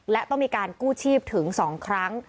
และต้องมีการกู้ชีพถึง๒ครั้ง